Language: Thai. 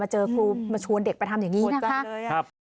มาเจอครูมาชวนเด็กไปทำอย่างนี้นะคะหมดกันเลย